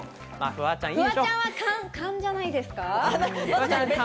フワちゃんは勘じゃないですか？